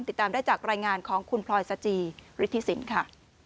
ติดตามได้จากรายงานของคุณพลอยสจีฤทธิสินค่ะ